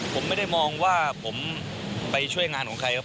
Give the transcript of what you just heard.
ผมไม่ได้มองว่าผมไปช่วยงานของใครครับ